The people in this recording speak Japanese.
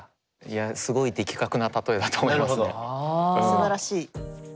すばらしい。